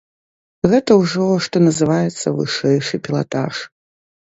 Гэта ўжо, што называецца, вышэйшы пілатаж.